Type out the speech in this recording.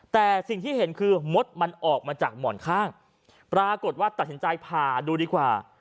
แต่สิ่งที่เห็นคือมดมันออกมาจากหมอนข้างปรากฏว่าตัดสินใจผ่าดูดีกว่า